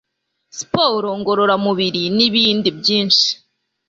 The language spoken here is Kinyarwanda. siporo ngorora mubiri, n'ibindi byinshi